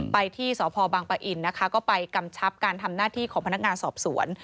ไปที่สพบังปะอินนะคะก็ไปกำชับการทำหน้าที่ของพนักงานสอบสวน